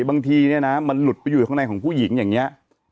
บางทีเนี่ยนะมันหลุดไปอยู่ข้างในของผู้หญิงอย่างนี้